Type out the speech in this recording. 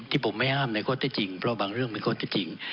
ที่ผมไม่อ้ามในข้อติดตรีจริงเพราะบางเรื่องมีข้อติดตรีจริง